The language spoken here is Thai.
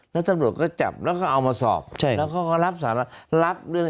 แล้วตำรวจก็จับแล้วก็เอามาสอบแล้วก็ก็รับสารรับ